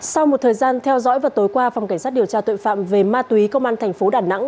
sau một thời gian theo dõi vào tối qua phòng cảnh sát điều tra tội phạm về ma túy công an thành phố đà nẵng